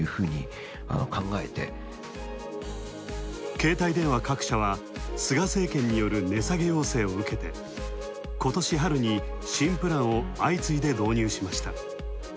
携帯電話各社は菅政権による値下げ要請を受けて今年春に新プランを相次いで導入しました。